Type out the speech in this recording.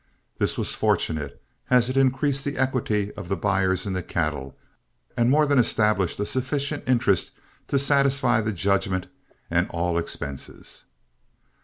This was fortunate, as it increased the equity of the buyers in the cattle, and more than established a sufficient interest to satisfy the judgment and all expenses.